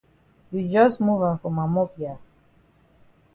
You jus move am for ma mop ya.